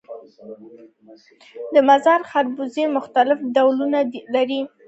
د مزار خربوزې مختلف ډولونه لري